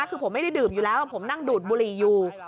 คือผมไม่ได้ดื่มอยู่แล้วผมนั่งดูดบุหรี่อยู่